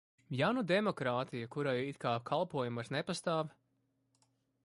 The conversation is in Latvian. Ja nu demokrātija, kurai it kā kalpojam, vairs nepastāv?